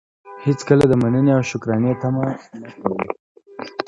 هېڅکله د منني او شکرانې طمعه مه کوئ!